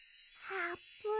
あーぷん！